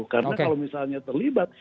karena kalau misalnya terlibat